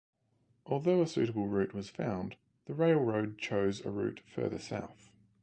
Although a suitable route was found, the railroad chose a route further south.